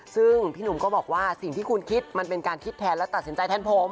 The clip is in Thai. ซึ่งพี่หนุ่มก็บอกว่าสิ่งที่คุณคิดมันเป็นการคิดแทนและตัดสินใจแทนผม